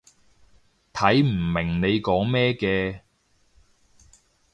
睇唔明你講咩嘅